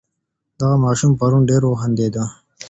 دغه ماشوم پرون ډېر وخندېدی.